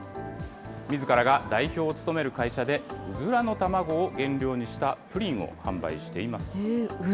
みずからが代表を務める会社で、うずらの卵を原料にしたプリンを販売しています。